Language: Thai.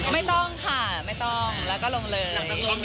ไม่ต้องค่ะไม่ต้องแล้วก็ลงเริง